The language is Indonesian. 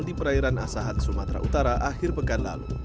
di perairan asahan sumatera utara akhir pekan lalu